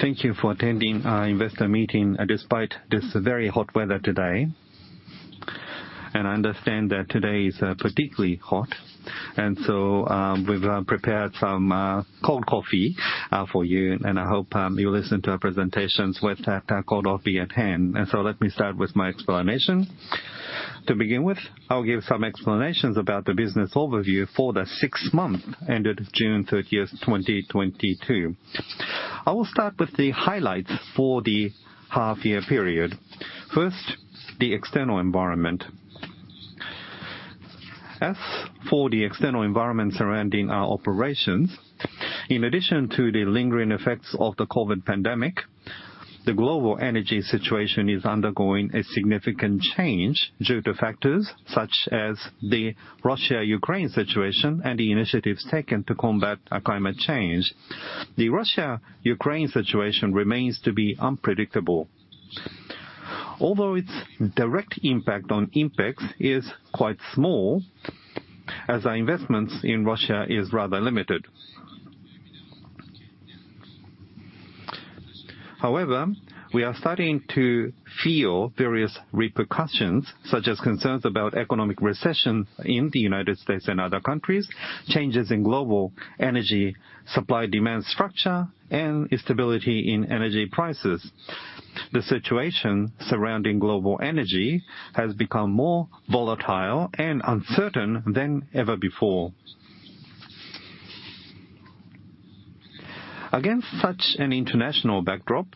Thank you for attending our investor meeting despite this very hot weather today. I understand that today is particularly hot. We've prepared some cold coffee for you, and I hope you listen to our presentations with that cold coffee at hand. Let me start with my explanation. To begin with, I'll give some explanations about the business overview for the six-month ended June 30th, 2022. I will start with the highlights for the half-year period. First, the external environment. As for the external environment surrounding our operations, in addition to the lingering effects of the COVID pandemic, the global energy situation is undergoing a significant change due to factors such as the Russia-Ukraine situation and the initiatives taken to combat climate change. The Russia-Ukraine situation remains to be unpredictable. Although its direct impact on INPEX is quite small, as our investments in Russia is rather limited. However, we are starting to feel various repercussions, such as concerns about economic recession in the United States and other countries, changes in global energy supply-demand structure, and instability in energy prices. The situation surrounding global energy has become more volatile and uncertain than ever before. Against such an international backdrop,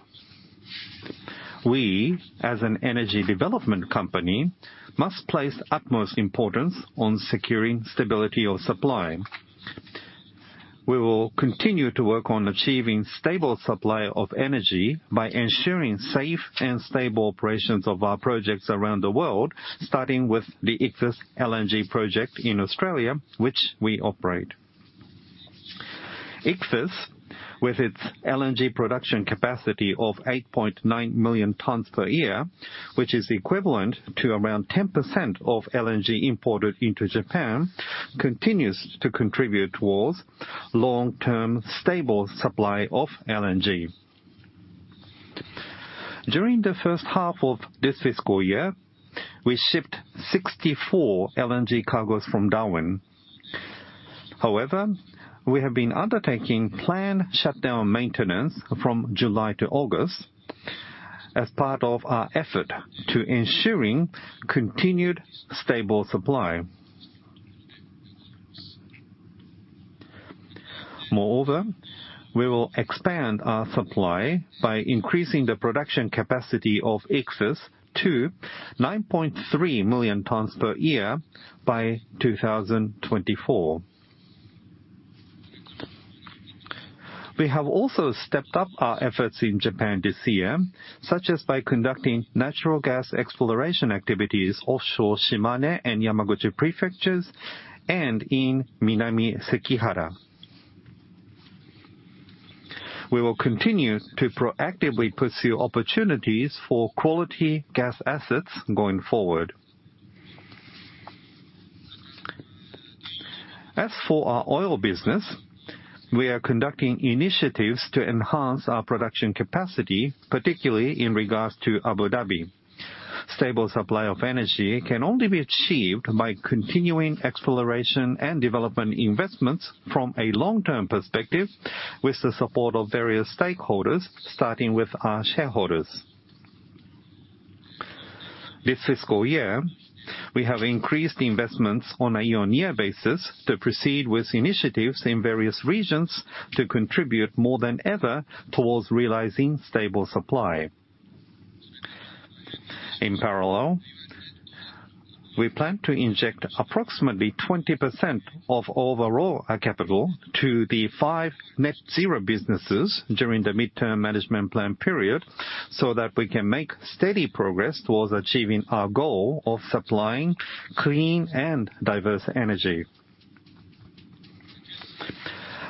we, as an energy development company, must place utmost importance on securing stability of supply. We will continue to work on achieving stable supply of energy by ensuring safe and stable operations of our projects around the world, starting with the Ichthys LNG project in Australia, which we operate. Ichthys, with its LNG production capacity of 8.9 million tons per year, which is equivalent to around 10% of LNG imported into Japan, continues to contribute towards long-term stable supply of LNG. During the first half of this fiscal year, we shipped 64 LNG cargos from Darwin. However, we have been undertaking planned shutdown maintenance from July to August as part of our effort to ensure continued stable supply. Moreover, we will expand our supply by increasing the production capacity of Ichthys to 9.3 million tons per year by 2024. We have also stepped up our efforts in Japan this year, such as by conducting natural gas exploration activities offshore Shimane and Yamaguchi prefectures and in Minami-Sekihara. We will continue to proactively pursue opportunities for quality gas assets going forward. As for our oil business, we are conducting initiatives to enhance our production capacity, particularly in regards to Abu Dhabi. Stable supply of energy can only be achieved by continuing exploration and development investments from a long-term perspective with the support of various stakeholders, starting with our shareholders. This fiscal year, we have increased investments on a year-on-year basis to proceed with initiatives in various regions to contribute more than ever towards realizing stable supply. In parallel, we plan to inject approximately 20% of overall capital to the five net zero businesses during the midterm management plan period so that we can make steady progress towards achieving our goal of supplying clean and diverse energy.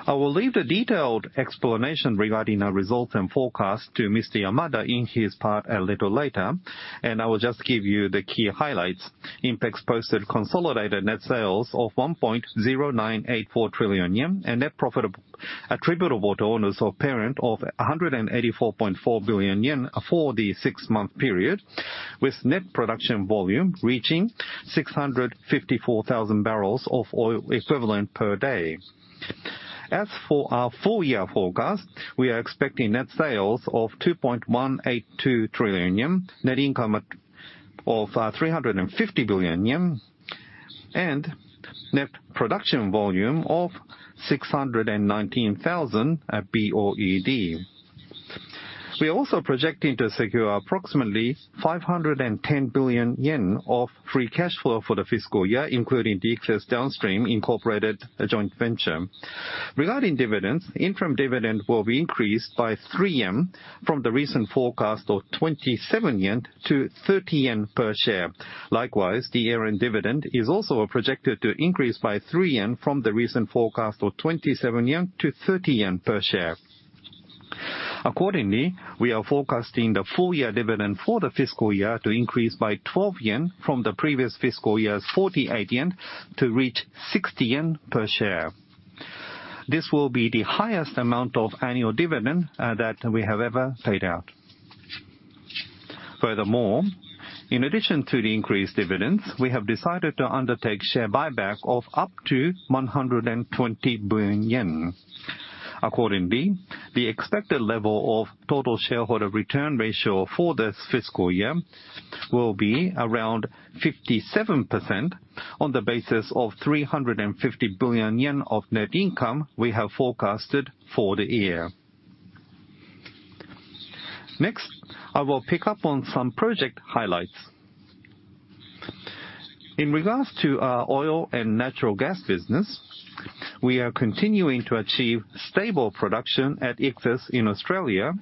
I will leave the detailed explanation regarding our results and forecast to Mr. Yamada in his part a little later, and I will just give you the key highlights. INPEX posted consolidated net sales of 1.0984 trillion yen and net profit attributable to owners of parent of 184.4 billion yen for the six-month period, with net production volume reaching 654,000 barrels of oil equivalent per day. As for our full year forecast, we are expecting net sales of 2.182 trillion yen, net income of 350 billion yen, and net production volume of 619,000 BOED. We're also projecting to secure approximately 510 billion yen of free cash flow for the fiscal year, including the Ichthys Downstream Incorporated Joint Venture. Regarding dividends, the interim dividend will be increased by 3 yen from the recent forecast of 27-30 yen per share. Likewise, the year-end dividend is also projected to increase by 3 yen from the recent forecast of 27 JPY-30 JPY per share. Accordingly, we are forecasting the full year dividend for the fiscal year to increase by 12 yen from the previous fiscal year's 48 yen to reach 60 yen per share. This will be the highest amount of annual dividend that we have ever paid out. Furthermore, in addition to the increased dividends, we have decided to undertake share buyback of up to 120 billion yen. Accordingly, the expected level of total shareholder return ratio for this fiscal year will be around 57% on the basis of 350 billion yen of net income we have forecasted for the year. Next, I will pick up on some project highlights. In regards to our oil and natural gas business, we are continuing to achieve stable production at Ichthys in Australia,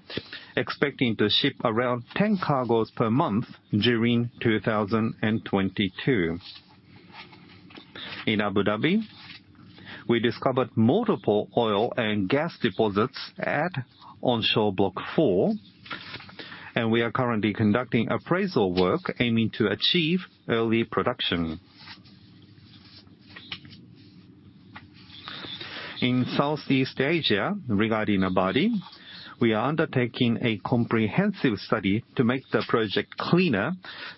expecting to ship around 10 cargoes per month during 2022. In Abu Dhabi, we discovered multiple oil and gas deposits at onshore Block 4, and we are currently conducting appraisal work aiming to achieve early production. In Southeast Asia, regarding Abadi, we are undertaking a comprehensive study to make the project cleaner,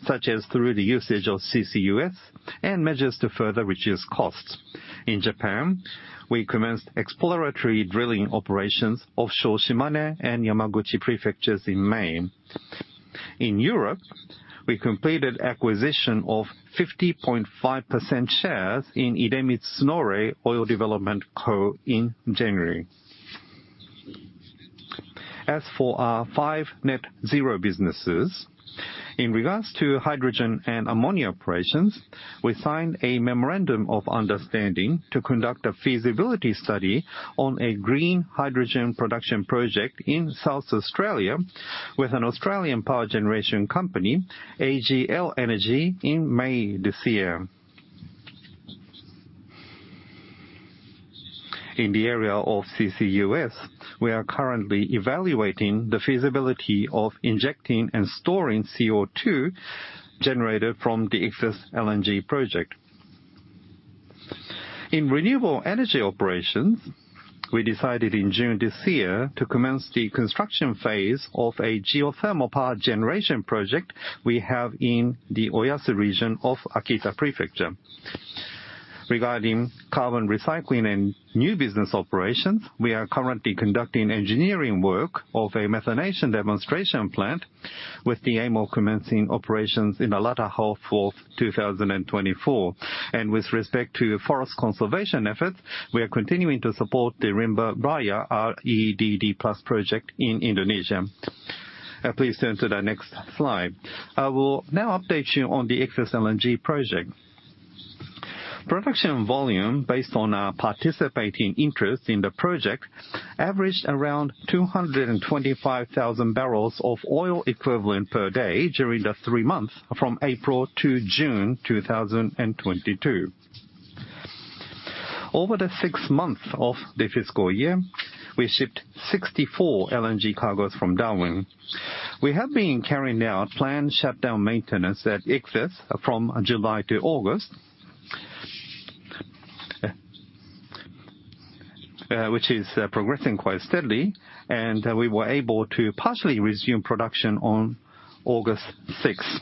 such as through the usage of CCUS and measures to further reduce costs. In Japan, we commenced exploratory drilling operations offshore Shimane and Yamaguchi prefectures in May. In Europe, we completed acquisition of 50.5% shares in Idemitsu Snorre Oil Development Co., Ltd. in January. As for our five net zero businesses, in regards to hydrogen and ammonia operations, we signed a memorandum of understanding to conduct a feasibility study on a green hydrogen production project in South Australia with an Australian power generation company, AGL Energy, in May this year. In the area of CCUS, we are currently evaluating the feasibility of injecting and storing CO2 generated from the Ichthys LNG project. In renewable energy operations, we decided in June this year to commence the construction phase of a geothermal power generation project we have in the Oyasu region of Akita Prefecture. Regarding carbon recycling and new business operations, we are currently conducting engineering work of a methanation demonstration plant with the aim of commencing operations in the latter half of 2024. With respect to forest conservation efforts, we are continuing to support the Rimba Raya REDD+ project in Indonesia. Please turn to the next slide. I will now update you on the Ichthys LNG project. Production volume based on our participating interest in the project averaged around 225,000 barrels of oil equivalent per day during the three months from April to June 2022. Over the six months of the fiscal year, we shipped 64 LNG cargoes from Darwin. We have been carrying out planned shutdown maintenance at Ichthys from July to August, which is progressing quite steadily, and we were able to partially resume production on August 6th.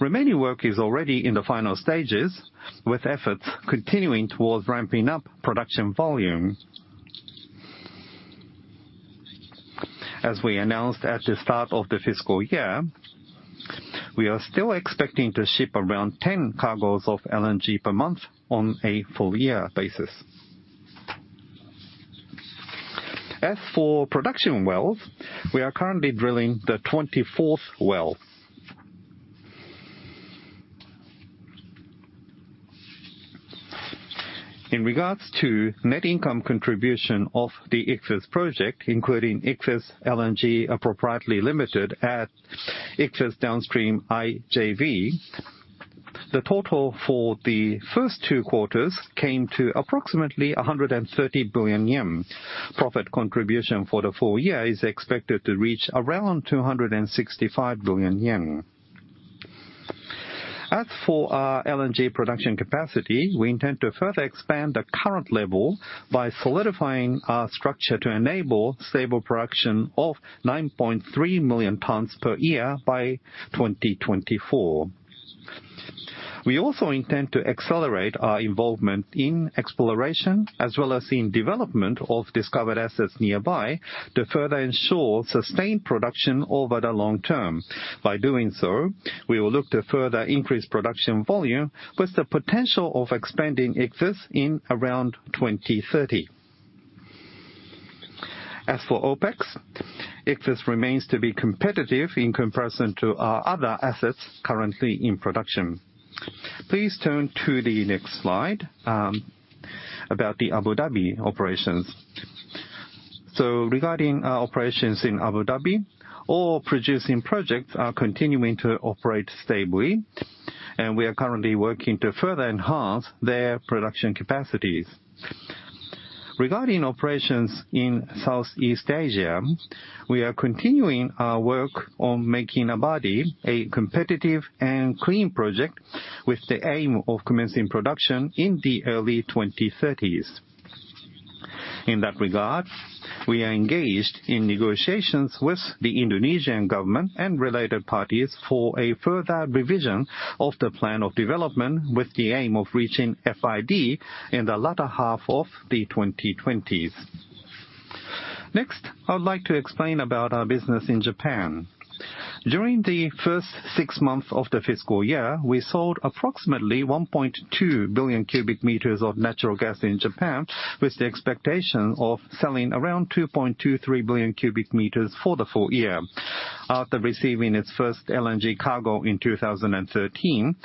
Remaining work is already in the final stages, with efforts continuing towards ramping up production volume. As we announced at the start of the fiscal year, we are still expecting to ship around 10 cargoes of LNG per month on a full year basis. As for production wells, we are currently drilling the 24th well. In regards to net income contribution of the Ichthys Project, including Ichthys LNG Pty Ltd at Ichthys Downstream IJV, the total for the first two quarters came to approximately 130 billion yen. Profit contribution for the full year is expected to reach around 265 billion yen. As for our LNG production capacity, we intend to further expand the current level by solidifying our structure to enable stable production of 9.3 million tons per year by 2024. We also intend to accelerate our involvement in exploration as well as in development of discovered assets nearby to further ensure sustained production over the long term. By doing so, we will look to further increase production volume with the potential of expanding Ichthys in around 2030. As for OpEx, Ichthys remains to be competitive in comparison to our other assets currently in production. Please turn to the next slide about the Abu Dhabi operations. Regarding our operations in Abu Dhabi, all producing projects are continuing to operate stably. We are currently working to further enhance their production capacities. Regarding operations in Southeast Asia, we are continuing our work on making Abadi a competitive and clean project with the aim of commencing production in the early 2030s. In that regard, we are engaged in negotiations with the Indonesian government and related parties for a further revision of the plan of development with the aim of reaching FID in the latter half of the 2020s. Next, I would like to explain about our business in Japan. During the first six months of the fiscal year, we sold approximately 1.2 billion cubic meters of natural gas in Japan, with the expectation of selling around 2.23 billion cubic meters for the full year. After receiving its first LNG cargo in 2013,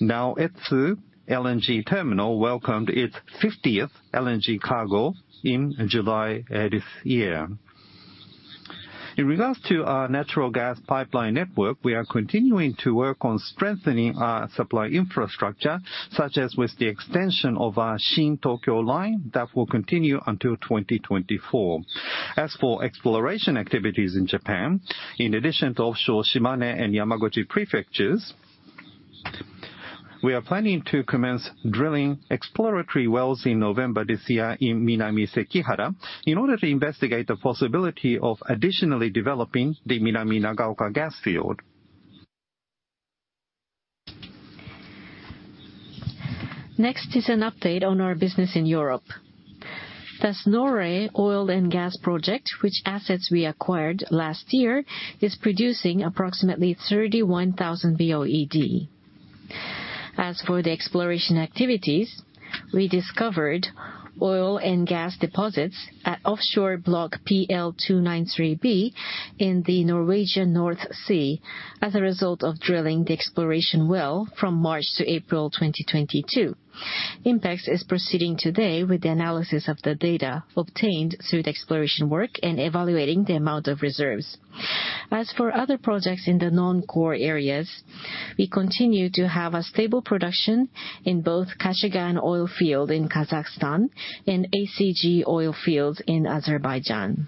now Naoetsu LNG Terminal welcomed its 50th LNG cargo in July of this year. In regards to our natural gas pipeline network, we are continuing to work on strengthening our supply infrastructure, such as with the extension of our Shin Tokyo line that will continue until 2024. As for exploration activities in Japan, in addition to offshore Shimane and Yamaguchi prefectures, we are planning to commence drilling exploratory wells in November this year in Minami-Sekihara, in order to investigate the possibility of additionally developing the Minami-Nagaoka Gas Field. Next is an update on our business in Europe. The Snorre oil and gas project, whose assets we acquired last year, is producing approximately 31,000 BOED. As for the exploration activities, we discovered oil and gas deposits at offshore block PL 293 B in the Norwegian North Sea as a result of drilling the exploration well from March to April 2022. INPEX is proceeding to date with the analysis of the data obtained through the exploration work and evaluating the amount of reserves. As for other projects in the non-core areas, we continue to have a stable production in both Kashagan oil field in Kazakhstan and ACG oil fields in Azerbaijan.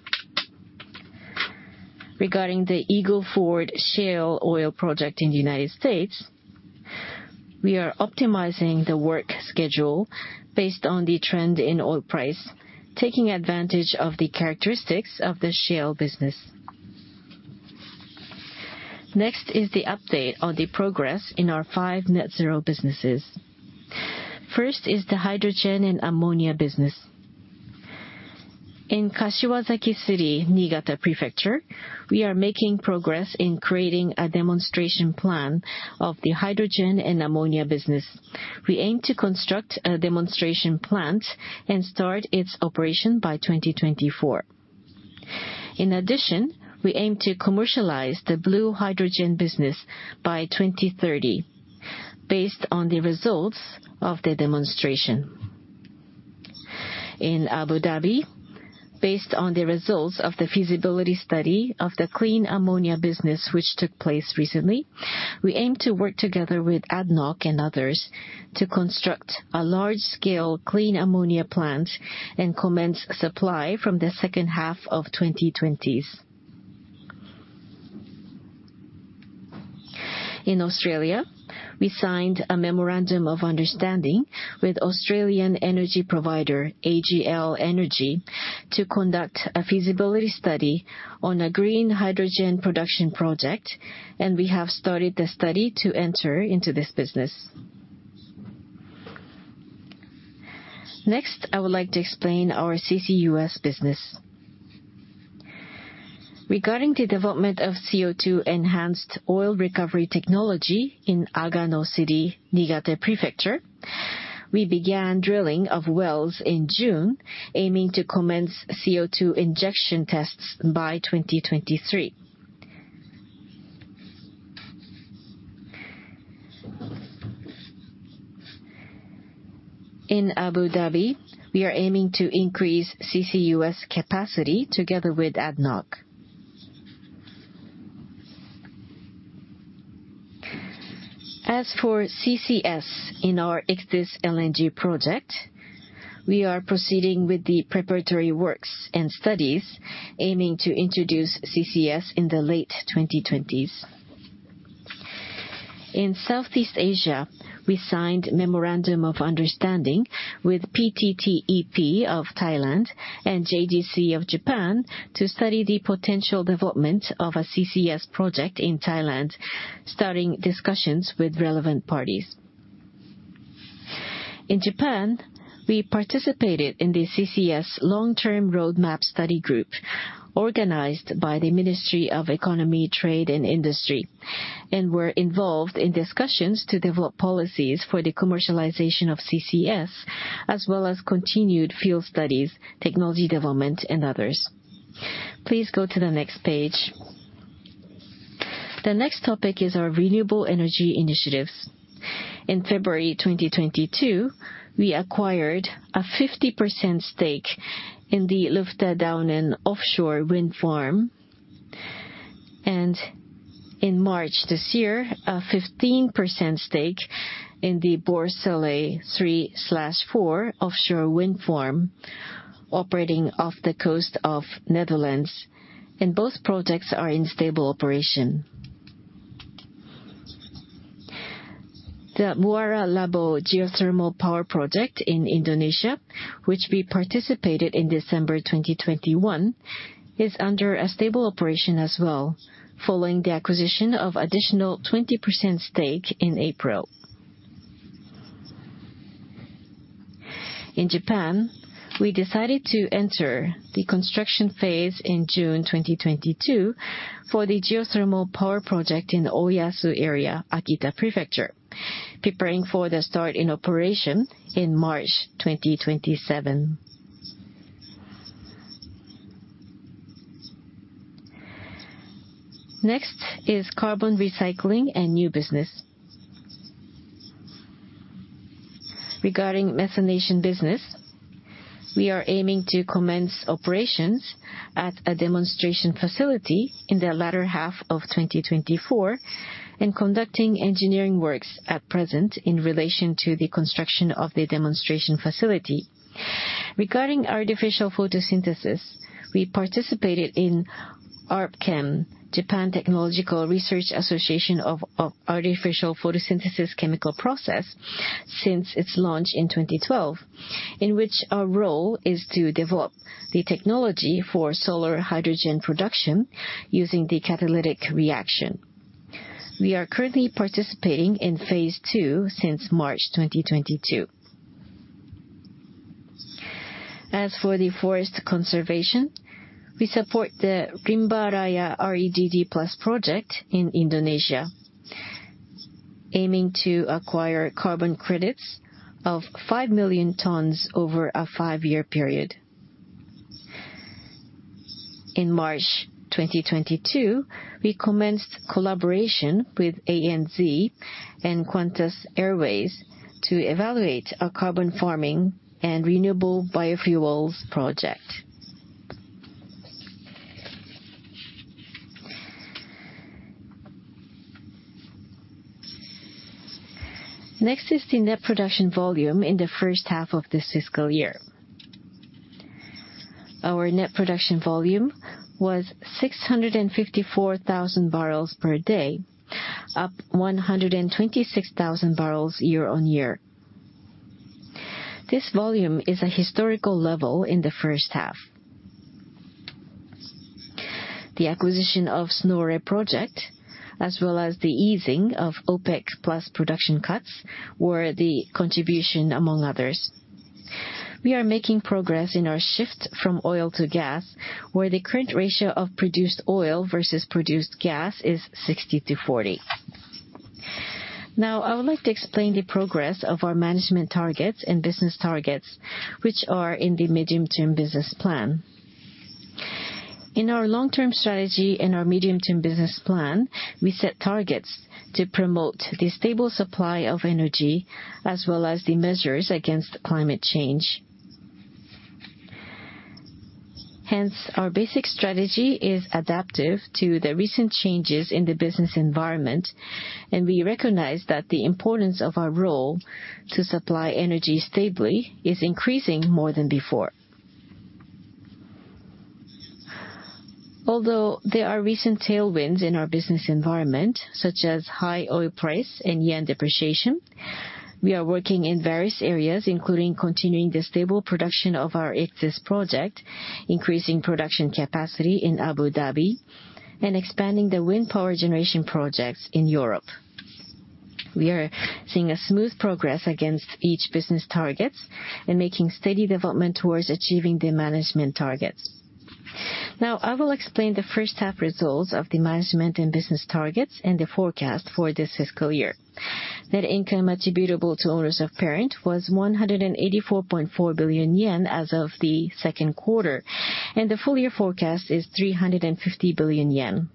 Regarding the Eagle Ford shale oil project in the United States, we are optimizing the work schedule based on the trend in oil price, taking advantage of the characteristics of the shale business. Next is the update on the progress in our five net zero businesses. First is the hydrogen and ammonia business. In Kashiwazaki City, Niigata Prefecture, we are making progress in creating a demonstration plan of the hydrogen and ammonia business. We aim to construct a demonstration plant and start its operation by 2024. In addition, we aim to commercialize the blue hydrogen business by 2030 based on the results of the demonstration. In Abu Dhabi, based on the results of the feasibility study of the clean ammonia business which took place recently, we aim to work together with ADNOC and others to construct a large-scale clean ammonia plant and commence supply from the second half of the 2020s. In Australia, we signed a memorandum of understanding with Australian energy provider AGL Energy to conduct a feasibility study on a green hydrogen production project, and we have started the study to enter into this business. Next, I would like to explain our CCUS business. Regarding the development of CO2-enhanced oil recovery technology in Agano City, Niigata Prefecture, we began drilling of wells in June, aiming to commence CO2 injection tests by 2023. In Abu Dhabi, we are aiming to increase CCUS capacity together with ADNOC. As for CCS in our Ichthys LNG project, we are proceeding with the preparatory works and studies aiming to introduce CCS in the late 2020s. In Southeast Asia, we signed memorandum of understanding with PTTEP of Thailand and JGC of Japan to study the potential development of a CCS project in Thailand, starting discussions with relevant parties. In Japan, we participated in the CCS Long-Term Roadmap Study Group organized by the Ministry of Economy, Trade and Industry, and were involved in discussions to develop policies for the commercialization of CCS, as well as continued field studies, technology development, and others. Please go to the next page. The next topic is our renewable energy initiatives. In February 2022, we acquired a 50% stake in the Luchterduinen offshore wind farm. In March this year, a 15% stake in the Borssele 3/4 offshore wind farm operating off the coast of the Netherlands. Both projects are in stable operation. The Muara Laboh geothermal power project in Indonesia, which we participated in December 2021, is under a stable operation as well, following the acquisition of additional 20% stake in April. In Japan, we decided to enter the construction phase in June 2022 for the geothermal power project in the Oyasu area, Akita Prefecture, preparing for the start in operation in March 2027. Next is carbon recycling and new business. Regarding methanation business, we are aiming to commence operations at a demonstration facility in the latter half of 2024, and conducting engineering works at present in relation to the construction of the demonstration facility. Regarding artificial photosynthesis, we participated in ARPChem, Japan Technological Research Association of Artificial Photosynthetic Chemical Process, since its launch in 2012, in which our role is to develop the technology for solar hydrogen production using the catalytic reaction. We are currently participating in phase two since March 2022. As for the forest conservation, we support the Rimba Raya REDD+ project in Indonesia, aiming to acquire carbon credits of 5 million tons over a five-year period. In March 2022, we commenced collaboration with ANZ and Qantas Airways to evaluate a carbon farming and renewable biofuels project. Next is the net production volume in the first half of this fiscal year. Our net production volume was 654,000 barrels per day, up 126,000 barrels year-on-year. This volume is a historical level in the first half. The acquisition of Snorre project, as well as the easing of OPEC+ production cuts, were the contribution among others. We are making progress in our shift from oil to gas, where the current ratio of produced oil versus produced gas is 60/40. Now, I would like to explain the progress of our management targets and business targets, which are in the medium-term business plan. In our long-term strategy and our medium-term business plan, we set targets to promote the stable supply of energy as well as the measures against climate change. Hence, our basic strategy is adaptive to the recent changes in the business environment, and we recognize that the importance of our role to supply energy stably is increasing more than before. Although there are recent tailwinds in our business environment, such as high oil price and JPY depreciation, we are working in various areas, including continuing the stable production of our Ichthys project, increasing production capacity in Abu Dhabi, and expanding the wind power generation projects in Europe. We are seeing a smooth progress against each business targets and making steady development towards achieving the management targets. Now, I will explain the first half results of the management and business targets and the forecast for this fiscal year. Net income attributable to owners of parent was 184.4 billion yen as of the second quarter, and the full year forecast is 350 billion yen.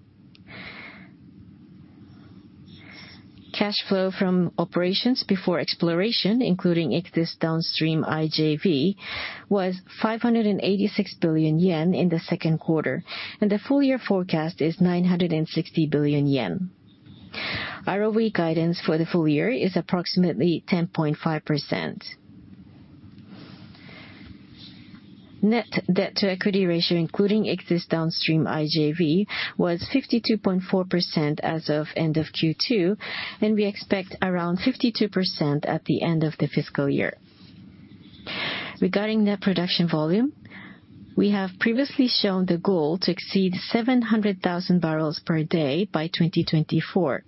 Cash flow from operations before exploration, including Ichthys Downstream IJV, was 586 billion yen in the second quarter, and the full year forecast is 960 billion yen. ROE guidance for the full year is approximately 10.5%. Net debt to equity ratio, including Ichthys Downstream IJV, was 52.4% as of end of Q2, and we expect around 52% at the end of the fiscal year. Regarding net production volume, we have previously shown the goal to exceed 700,000 barrels per day by 2024.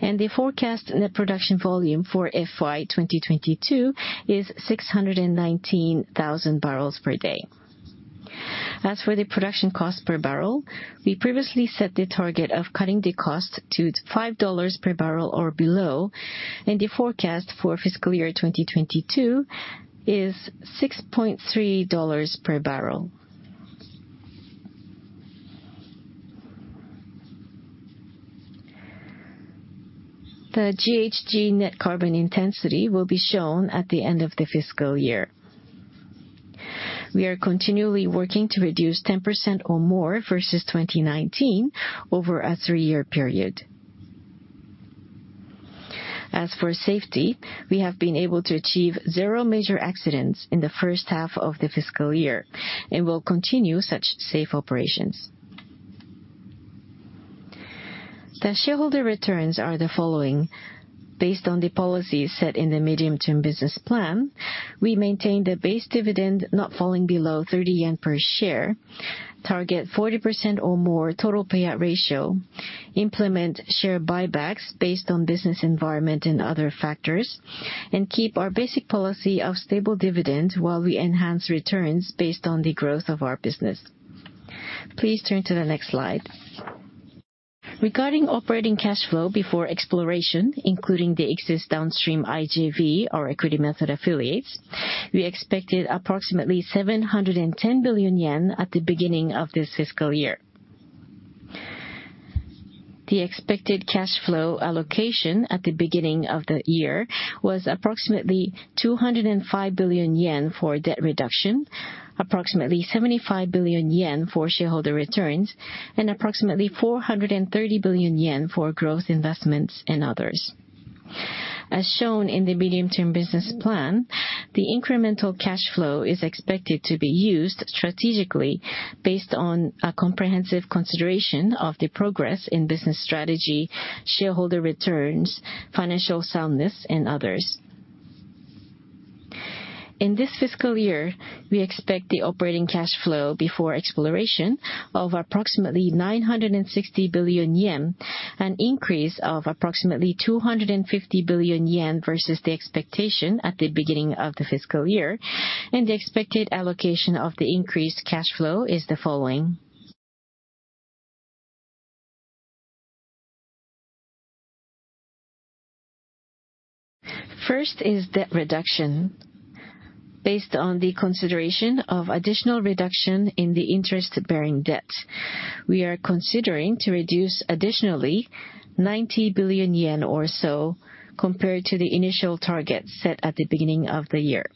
The forecast net production volume for FY 2022 is 619,000 barrels per day. As for the production cost per barrel, we previously set the target of cutting the cost to $5 per barrel or below, and the forecast for fiscal year 2022 is $6.3 per barrel. The GHG net carbon intensity will be shown at the end of the fiscal year. We are continually working to reduce 10% or more versus 2019 over a three-year period. As for safety, we have been able to achieve 0 major accidents in the first half of the fiscal year, and we'll continue such safe operations. The shareholder returns are the following. Based on the policies set in the medium-term business plan, we maintain the base dividend not falling below 30 yen per share, target 40% or more total payout ratio, implement share buybacks based on business environment and other factors, and keep our basic policy of stable dividend while we enhance returns based on the growth of our business. Please turn to the next slide. Regarding operating cash flow before exploration, including the Ichthys downstream IJV, our equity method affiliates, we expected approximately 710 billion yen at the beginning of this fiscal year. The expected cash flow allocation at the beginning of the year was approximately 205 billion yen for debt reduction, approximately 75 billion yen for shareholder returns, and approximately 430 billion yen for growth investments and others. As shown in the medium-term business plan, the incremental cash flow is expected to be used strategically based on a comprehensive consideration of the progress in business strategy, shareholder returns, financial soundness, and others. In this fiscal year, we expect the operating cash flow before exploration of approximately 960 billion yen, an increase of approximately 250 billion yen versus the expectation at the beginning of the fiscal year, and the expected allocation of the increased cash flow is the following. First is debt reduction. Based on the consideration of additional reduction in the interest-bearing debt, we are considering to reduce additionally 90 billion yen or so compared to the initial target set at the beginning of the year.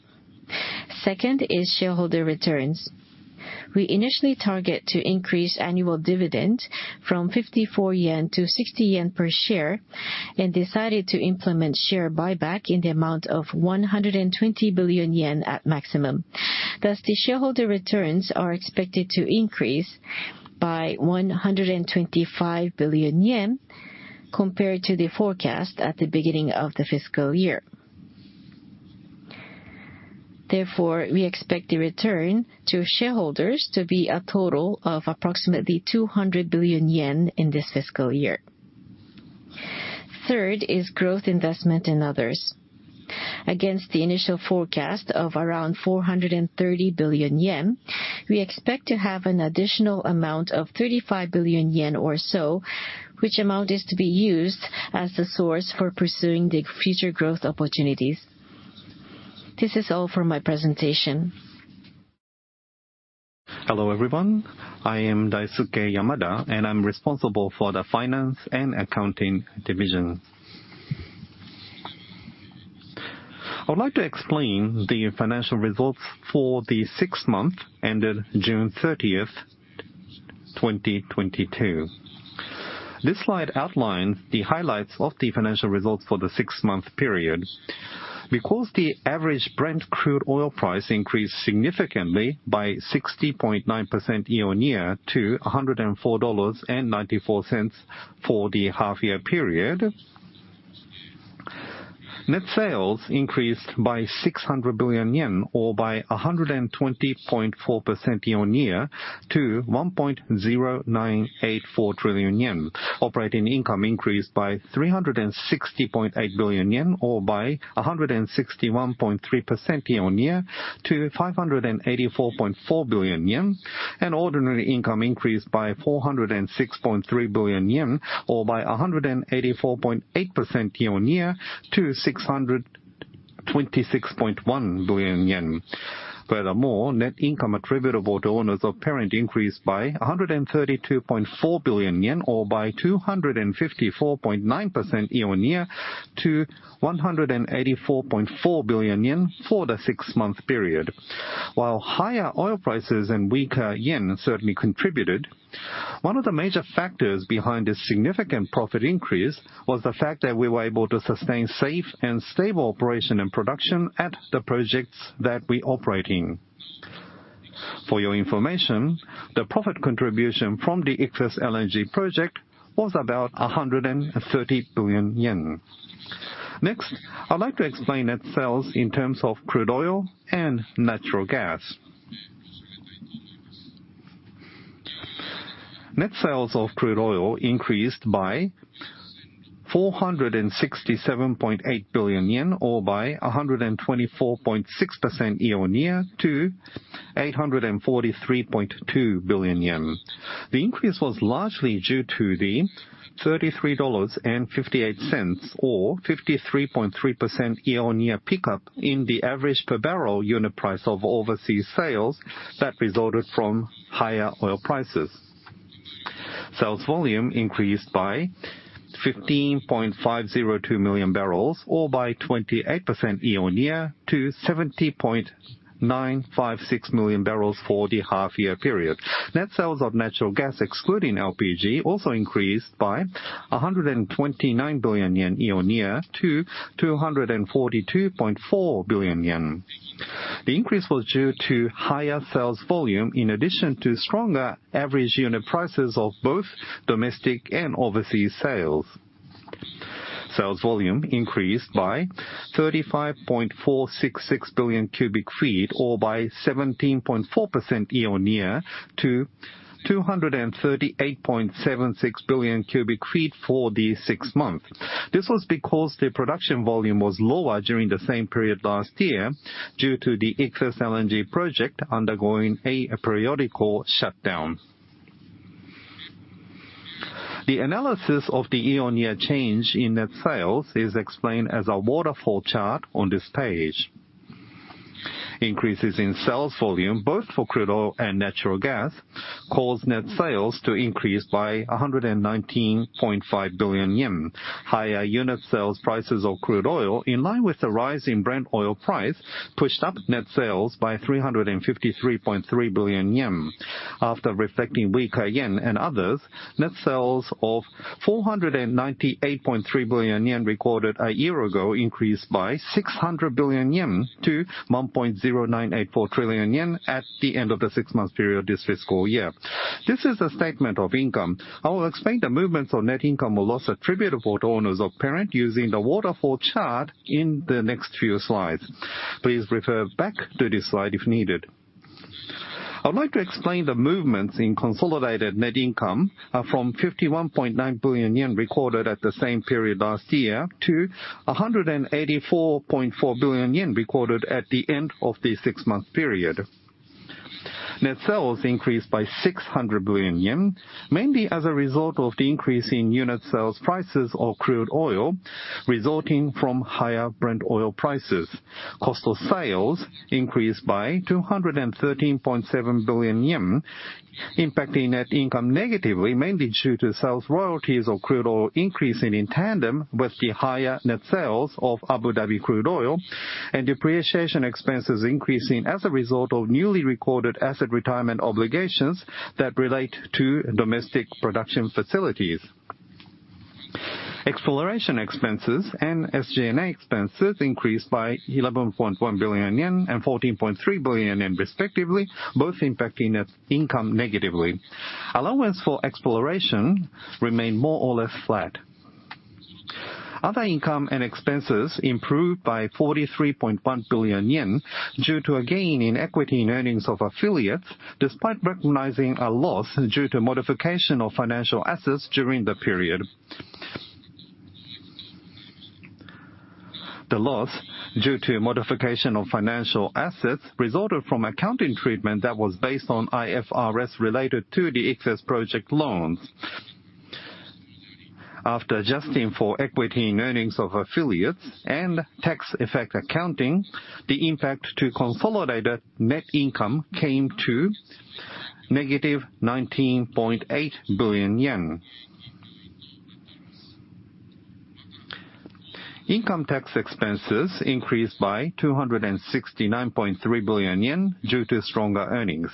Second is shareholder returns. We initially target to increase annual dividend from 54-60 yen per share and decided to implement share buyback in the amount of 120 billion yen at maximum. Thus, the shareholder returns are expected to increase by 125 billion yen compared to the forecast at the beginning of the fiscal year. Therefore, we expect the return to shareholders to be a total of approximately 200 billion yen in this fiscal year. Third is growth investment and others. Against the initial forecast of around 430 billion yen, we expect to have an additional amount of 35 billion yen or so, which amount is to be used as the source for pursuing the future growth opportunities. This is all for my presentation. Hello, everyone. I am Daisuke Yamada, and I'm responsible for the finance and accounting division. I would like to explain the financial results for the six months ended June 30th, 2022. This slide outlines the highlights of the financial results for the six-month period. Because the average Brent crude oil price increased significantly by 60.9% year-on-year to $104.94 for the half-year period, net sales increased by 600 billion yen or by 120.4% year-on-year to 1.0984 trillion yen. Operating income increased by 360.8 billion yen or by 161.3% year-on-year to 584.4 billion yen. Ordinary income increased by 406.3 billion yen or by 184.8% year-over-year to 626.1 billion yen. Furthermore, net income attributable to owners of parent increased by 132.4 billion yen or by 254.9% year-over-year to 184.4 billion yen for the six-month period. While higher oil prices and weaker JPY certainly contributed, one of the major factors behind this significant profit increase was the fact that we were able to sustain safe and stable operation and production at the projects that we operate in. For your information, the profit contribution from the Ichthys LNG project was about 130 billion yen. Next, I'd like to explain net sales in terms of crude oil and natural gas. Net sales of crude oil increased by 467.8 billion yen or by 124.6% year-on-year to 843.2 billion yen. The increase was largely due to the $33.58 or 53.3% year-on-year pickup in the average per barrel unit price of overseas sales that resulted from higher oil prices. Sales volume increased by 15.502 million barrels, or by 28% year-on-year, to 70.956 million barrels for the half-year period. Net sales of natural gas, excluding LPG, also increased by 129 billion yen year-on-year to 242.4 billion yen. The increase was due to higher sales volume, in addition to stronger average unit prices of both domestic and overseas sales. Sales volume increased by 35.466 billion cubic feet, or by 17.4% year-on-year, to 238.76 billion cubic feet for the 6 months. This was because the production volume was lower during the same period last year due to the Ichthys LNG project undergoing a periodic shutdown. The analysis of the year-on-year change in net sales is explained as a waterfall chart on this page. Increases in sales volume, both for crude oil and natural gas, caused net sales to increase by 119.5 billion yen. Higher unit sales prices of crude oil, in line with the rise in Brent oil price, pushed up net sales by 353.3 billion yen. After reflecting weaker JPY and others, net sales of 498.3 billion yen recorded a year ago increased by 600 billion-1.0984 trillion yen at the end of the six-month period this fiscal year. This is a statement of income. I will explain the movements of net income or loss attributable to owners of parent using the waterfall chart in the next few slides. Please refer back to this slide if needed. I'd like to explain the movements in consolidated net income from 51.9 billion yen recorded at the same period last year to 184.4 billion yen recorded at the end of the six-month period. Net sales increased by 600 billion yen, mainly as a result of the increase in unit sales prices of crude oil resulting from higher Brent oil prices. Cost of sales increased by 213.7 billion yen, impacting net income negatively, mainly due to sales royalties of crude oil increasing in tandem with the higher net sales of Abu Dhabi crude oil and depreciation expenses increasing as a result of newly recorded asset retirement obligations that relate to domestic production facilities. Exploration expenses and SG&A expenses increased by 11.1 billion yen and 14.3 billion yen respectively, both impacting net income negatively. Allowance for exploration remained more or less flat. Other income and expenses improved by 43.1 billion yen due to a gain in equity and earnings of affiliates, despite recognizing a loss due to modification of financial assets during the period. The loss due to modification of financial assets resulted from accounting treatment that was based on IFRS related to the Ichthys project loans. After adjusting for equity and earnings of affiliates and tax effect accounting, the impact to consolidated net income came to JPY -19.8 billion. Income tax expenses increased by 269.3 billion yen due to stronger earnings.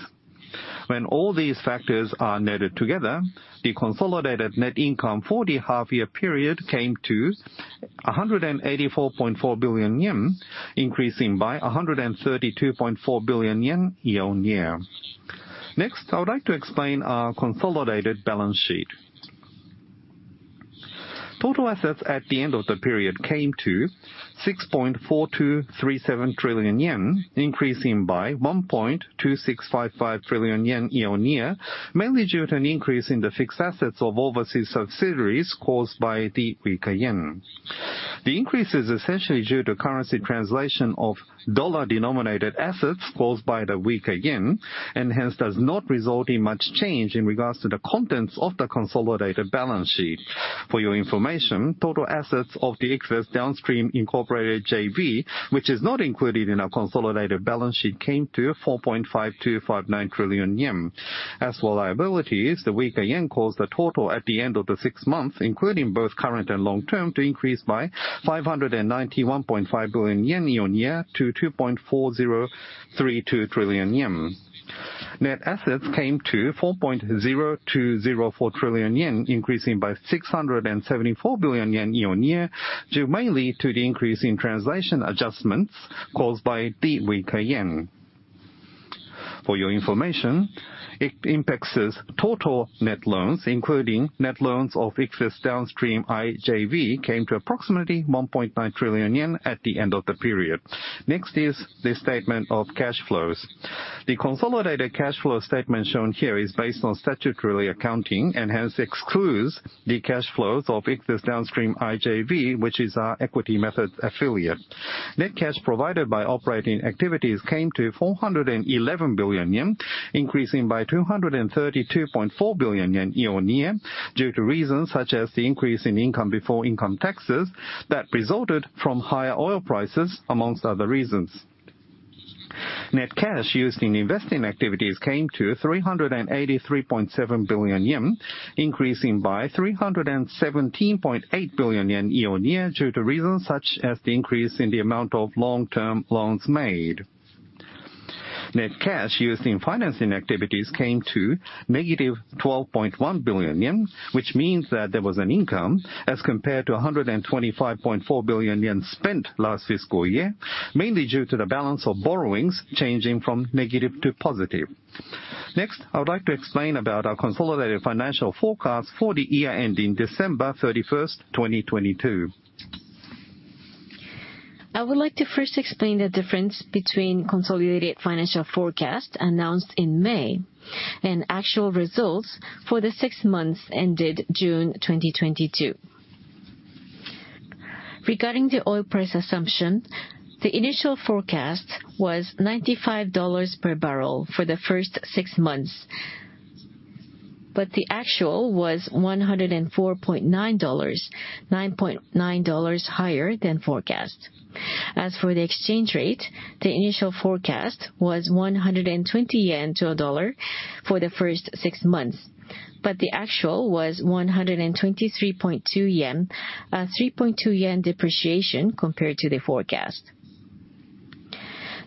When all these factors are netted together, the consolidated net income for the half-year period came to 184.4 billion yen, increasing by 132.4 billion yen year-over-year. Next, I would like to explain our consolidated balance sheet. Total assets at the end of the period came to 6.4237 trillion yen, increasing by 1.2655 trillion yen year-on-year, mainly due to an increase in the fixed assets of overseas subsidiaries caused by the weaker JPY. The increase is essentially due to currency translation of dollar-denominated assets caused by the weaker JPY, and hence does not result in much change in regards to the contents of the consolidated balance sheet. For your information, total assets of the Ichthys Downstream Incorporated JV, which is not included in our consolidated balance sheet, came to 4.5259 trillion yen. As for liabilities, the weaker JPY caused the total at the end of the six months, including both current and long-term, to increase by 591.5 billion yen year-over-year to 2.4032 trillion yen. Net assets came to 4.0204 trillion yen, increasing by 674 billion yen year-over-year, due mainly to the increase in translation adjustments caused by the weaker JPY. For your information, total net loans, including net loans of Ichthys downstream IJV, came to approximately 1.9 trillion yen at the end of the period. Next is the statement of cash flows. The consolidated cash flow statement shown here is based on statutory accounting and hence excludes the cash flows of Ichthys downstream IJV, which is our equity method affiliate. Net cash provided by operating activities came to 411 billion yen, increasing by 232.4 billion yen year-on-year, due to reasons such as the increase in income before income taxes that resulted from higher oil prices, among other reasons. Net cash used in investing activities came to 383.7 billion yen, increasing by 317.8 billion yen year-on-year due to reasons such as the increase in the amount of long-term loans made. Net cash used in financing activities came to -12.1 billion yen, which means that there was an income as compared to 125.4 billion yen spent last fiscal year, mainly due to the balance of borrowings changing from negative to positive. Next, I would like to explain about our consolidated financial forecast for the year ending December 31st, 2022. I would like to first explain the difference between consolidated financial forecast announced in May and actual results for the six months ended June 2022. Regarding the oil price assumption, the initial forecast was $95 per barrel for the first six months, but the actual was $104.9, $9.9 higher than forecast. As for the exchange rate, the initial forecast was 120 yen to a dollar for the first six months, but the actual was 123.2 yen, 3.2 yen depreciation compared to the forecast.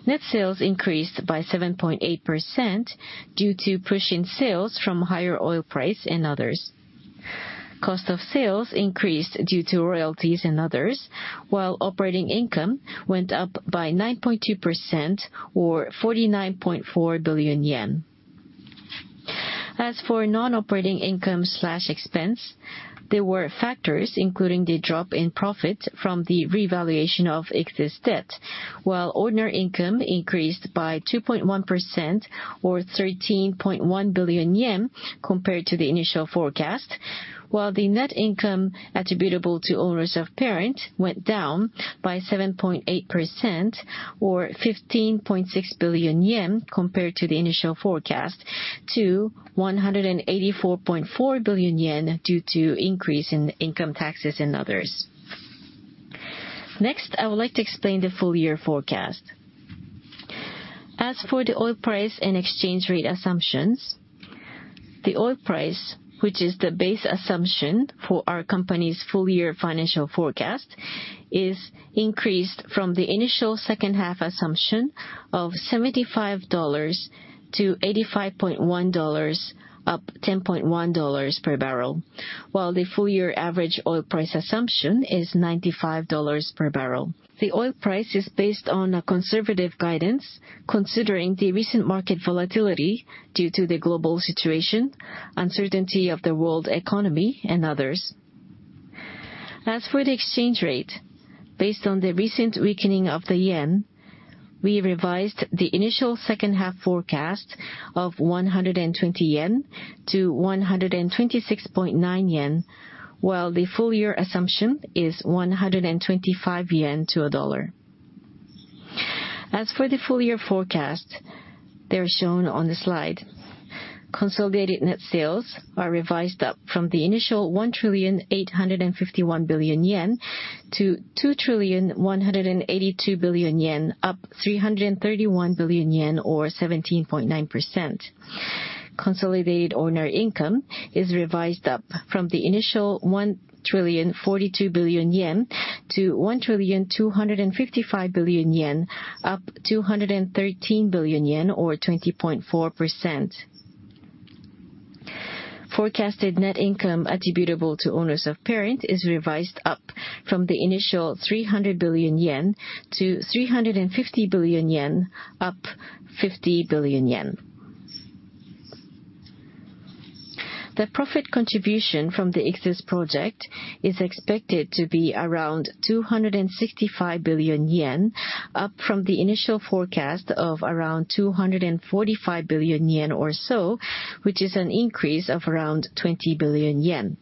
Net sales increased by 7.8% due to push in sales from higher oil price and others. Cost of sales increased due to royalties and others, while operating income went up by 9.2% or 49.4 billion yen. As for non-operating income/expense, there were factors, including the drop in profit from the Ichthys debt revaluation, while ordinary income increased by 2.1% or 13.1 billion yen compared to the initial forecast. While the net income attributable to owners of parent went down by 7.8% or 15.6 billion yen compared to the initial forecast to 184.4 billion yen due to increase in income taxes and others. Next, I would like to explain the full year forecast. As for the oil price and exchange rate assumptions, the oil price, which is the base assumption for our company's full year financial forecast, is increased from the initial second half assumption of $75-$85.1, up $10.1 per barrel, while the full year average oil price assumption is $95 per barrel. The oil price is based on a conservative guidance considering the recent market volatility due to the global situation, uncertainty of the world economy and others. As for the exchange rate, based on the recent weakening of the JPY, we revised the initial second half forecast of 120-126.9 yen, while the full year assumption is 125 yen to $1. As for the full year forecast, they are shown on the slide. Consolidated net sales are revised up from the initial 1,851 billion-2,182 billion yen, up JPY 331 billion or 17.9%. Consolidated ordinary income is revised up from the initial 1,042 billion-1,255 billion yen, up JPY 213 billion or 20.4%. Forecasted net income attributable to owners of parent is revised up from the initial 300 billion-350 billion yen, up 50 billion yen. The profit contribution from the Ichthys project is expected to be around 265 billion yen, up from the initial forecast of around 245 billion yen or so, which is an increase of around 20 billion yen.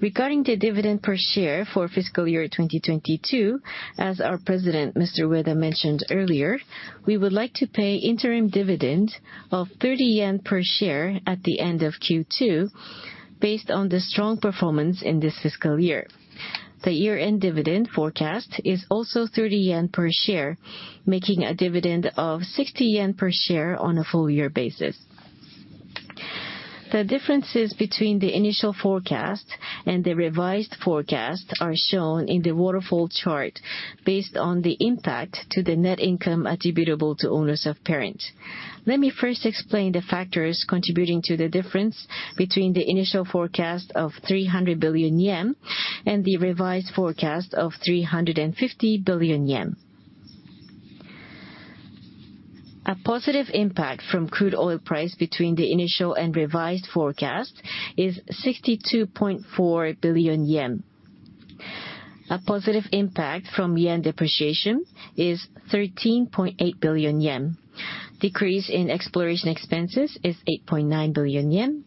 Regarding the dividend per share for fiscal year 2022, as our president, Mr. Ueda, mentioned earlier, we would like to pay interim dividend of 30 yen per share at the end of Q2 based on the strong performance in this fiscal year. The year-end dividend forecast is also 30 yen per share, making a dividend of 60 yen per share on a full year basis. The differences between the initial forecast and the revised forecast are shown in the waterfall chart based on the impact to the net income attributable to owners of parent. Let me first explain the factors contributing to the difference between the initial forecast of 300 billion yen and the revised forecast of 350 billion yen. A positive impact from crude oil price between the initial and revised forecast is 62.4 billion yen. A positive impact from JPY depreciation is 13.8 billion yen. Decrease in exploration expenses is 8.9 billion yen.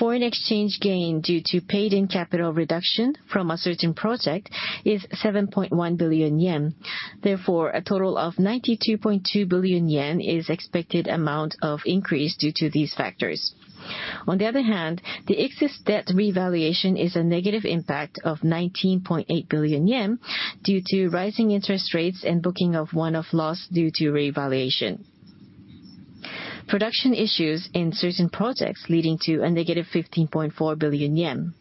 Foreign exchange gain due to paid-in capital reduction from a certain project is 7.1 billion yen. Therefore, a total of 92.2 billion yen is expected amount of increase due to these factors. On the other hand, the Ichthys debt revaluation is a negative impact of 19.8 billion yen due to rising interest rates and booking of one-off loss due to revaluation. Production issues in certain projects leading to a negative 15.4 billion yen.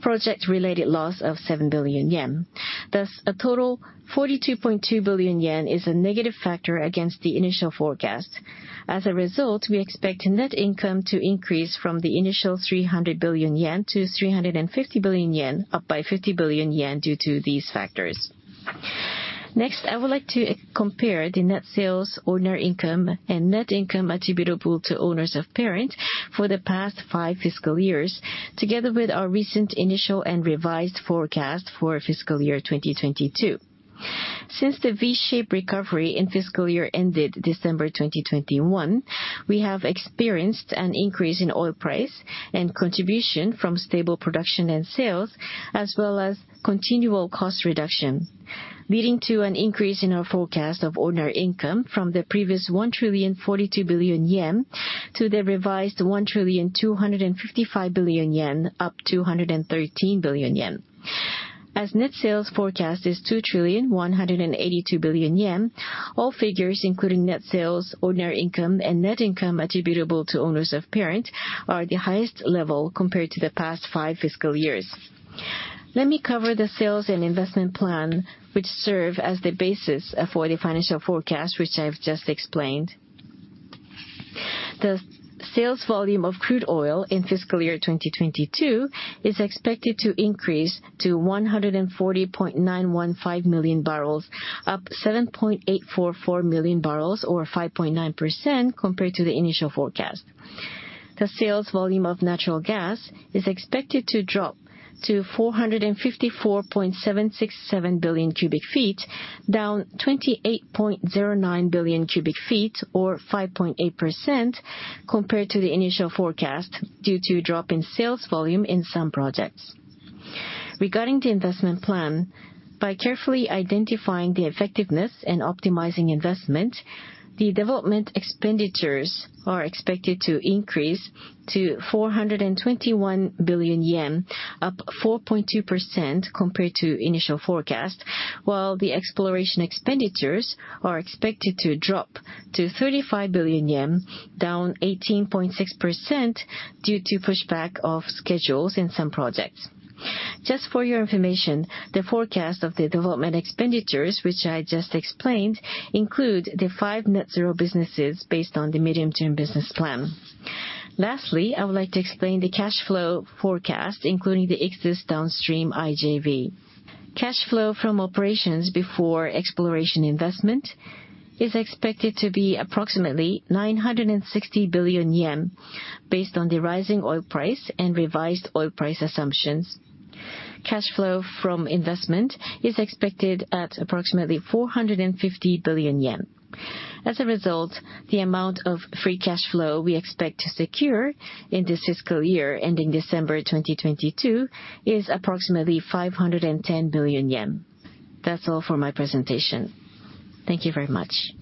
Project related loss of 7 billion yen. Thus, a total 42.2 billion yen is a negative factor against the initial forecast. As a result, we expect net income to increase from the initial 300 billion-350 billion yen, up by 50 billion yen due to these factors. Next, I would like to compare the net sales, ordinary income, and net income attributable to owners of parent for the past five fiscal years, together with our recent initial and revised forecast for fiscal year 2022. Since the V-shaped recovery in fiscal year ended December 2021, we have experienced an increase in oil price and contribution from stable production and sales, as well as continual cost reduction, leading to an increase in our forecast of ordinary income from the previous 1.042 trillion to the revised 1.255 trillion, up 213 billion yen. As net sales forecast is 2.182 billion yen, all figures, including net sales, ordinary income, and net income attributable to owners of parent, are the highest level compared to the past five fiscal years. Let me cover the sales and investment plan, which serve as the basis for the financial forecast, which I've just explained. The sales volume of crude oil in fiscal year 2022 is expected to increase to 140.915 million barrels, up 7.844 million barrels, or 5.9% compared to the initial forecast. The sales volume of natural gas is expected to drop to 454.767 billion cubic feet, down 28.09 billion cubic feet, or 5.8% compared to the initial forecast due to drop in sales volume in some projects. Regarding the investment plan, by carefully identifying the effectiveness and optimizing investment, the development expenditures are expected to increase to 421 billion yen, up 4.2% compared to initial forecast, while the exploration expenditures are expected to drop to 35 billion yen, down 18.6% due to pushback of schedules in some projects. Just for your information, the forecast of the development expenditures, which I just explained, include the five net zero businesses based on the medium-term business plan. Lastly, I would like to explain the cash flow forecast, including the Ichthys Downstream IJV. Cash flow from operations before exploration investment is expected to be approximately 960 billion yen based on the rising oil price and revised oil price assumptions. Cash flow from investment is expected at approximately 450 billion yen. As a result, the amount of free cash flow we expect to secure in this fiscal year ending December 2022 is approximately 510 billion yen. That's all for my presentation. Thank you very much.